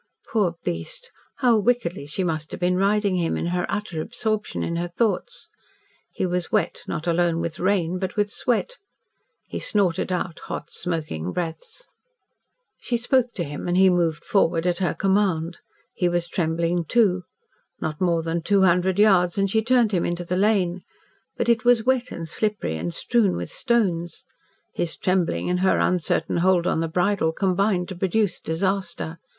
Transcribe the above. Poor beast! how wickedly she must have been riding him, in her utter absorption in her thoughts. He was wet, not alone with rain, but with sweat. He snorted out hot, smoking breaths. She spoke to him, and he moved forward at her command. He was trembling too. Not more than two hundred yards, and she turned him into the lane. But it was wet and slippery, and strewn with stones. His trembling and her uncertain hold on the bridle combined to produce disaster.